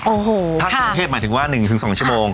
ถ้าต่างเทพฯหมายถึงว่า๑๒ชั่วโมง